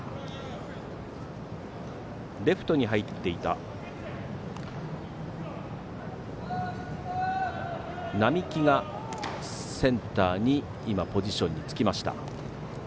レフトに入っていた双木がセンターに今、ポジションにつきました。